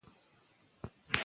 دا مهمه ده چې مورنۍ ژبه وساتو.